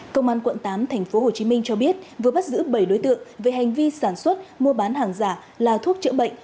công an quận tám tp hcm cho biết vừa bắt giữ bảy đối tượng về hành vi sản xuất mua bán hàng giả là thuốc chữa bệnh